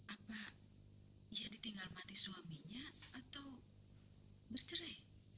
apa ya ditinggal mati suaminya atau bercerai